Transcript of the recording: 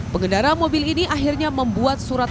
pengendara mobil ini akhirnya membuat surat